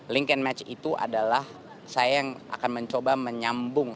link and match itu adalah saya yang akan mencoba menyambung